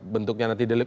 bentuknya nanti delik